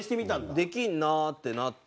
できるなってなって。